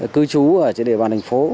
cư trú ở trên địa bàn thành phố